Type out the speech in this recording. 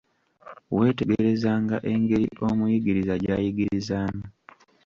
Weetegerezanga engeri omuyigiriza gy'ayigirizaamu.